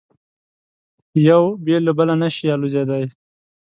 یو بې له بله نه شي الوزېدای.